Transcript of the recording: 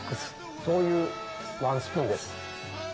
そういうワンスプーンです。